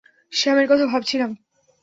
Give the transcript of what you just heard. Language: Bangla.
স্যামের কথা ভাবছিলাম।